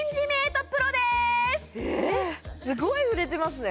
スゴい売れてますね